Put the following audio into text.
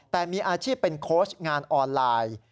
แต่มีอาชีพเป็นโค้ชงานออนไลน์